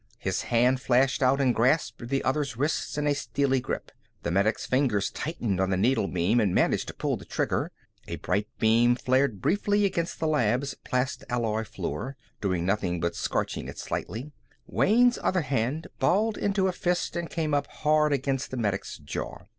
His hand flashed out and grasped the other's wrist in a steely grip. The medic's fingers tightened on the needle beam, and managed to pull the trigger. A bright beam flared briefly against the lab's plastalloy floor, doing nothing but scorching it slightly. Wayne's other hand balled into a fist and came up hard against the medic's jaw.